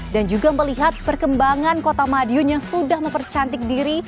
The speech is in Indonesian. dan juga melihat perkembangan kota madiun yang sudah mempercantik diri